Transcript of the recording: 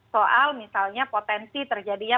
soal misalnya potensi terjadinya